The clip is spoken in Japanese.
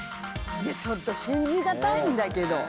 ちょっと信じがたいんだけど。